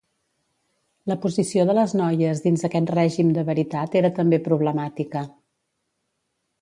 La posició de les noies dins aquest règim de veritat era també problemàtica.